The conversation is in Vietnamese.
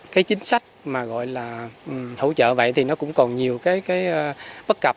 cái chính sách mà gọi là hỗ trợ vậy thì nó cũng còn nhiều cái bất cập